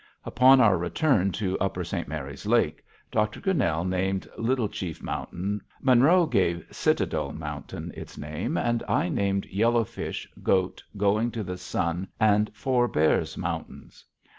Upon our return to Upper St. Mary's Lake, Dr. Grinnell named Little Chief Mountain, Monroe gave Citadel Mountain its name, and I named Yellow Fish, Goat, Going to the Sun, and Four Bears Mountains.